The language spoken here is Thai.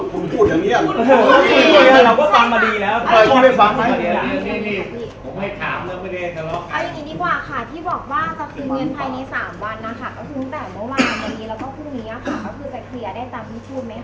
คุณเป็นคนพูดเอง